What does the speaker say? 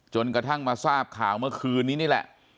จนกระทั่งมาทราบข่าวเมื่อคืนนี้นี่แหละ